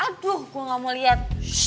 aduh gua gak mau liat